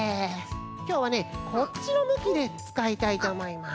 きょうはねこっちのむきでつかいたいとおもいます。